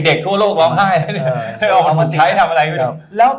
เด็กทั่วโลกร้องไห้เอาสติ๊กเกอร์ไทยทำอะไร